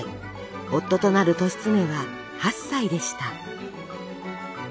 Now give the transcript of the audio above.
夫となる利常は８歳でした。